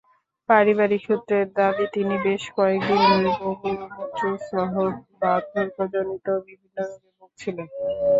পারিবারিক সূত্রের দাবি, তিনি বেশ কয়েক দিন ধরে বহুমূত্রসহ বার্ধক্যজনিত বিভিন্ন রোগে ভুগছিলেন।